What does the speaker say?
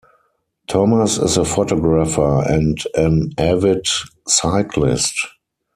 Thomas is a photographer and an avid cyclist.